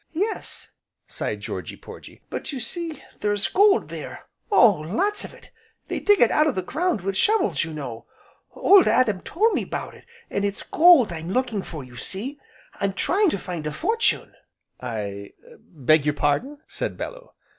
"Yes," sighed Georgy Porgy, "but, you see, there's gold there, oh, lots of it! they dig it out of the ground with shovels, you know. Old Adam told me all 'bout it; an' it's gold I'm looking for, you see, I'm trying to find a fortune." "I er beg your pardon ?" said Bellew.